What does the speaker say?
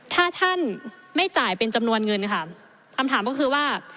ถ้าท่านไม่จ่ายเป็นจำนวนเงินค่ะคำถามก็คือว่า